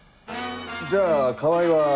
じゃあ川合は。